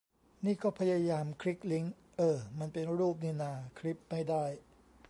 นี่ก็พยายามคลิกลิงก์ เอ้อ มันเป็นรูปนี่นา คลิปไม่ได้